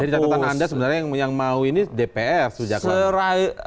jadi datang datang anda sebenarnya yang mau ini dpr sujakwan